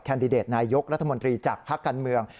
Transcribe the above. ดิเดตนายกรัฐมนตรีจากภาคการเมือง